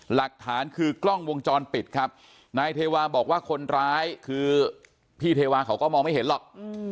หลักฐานคือกล้องวงจรปิดครับนายเทวาบอกว่าคนร้ายคือพี่เทวาเขาก็มองไม่เห็นหรอก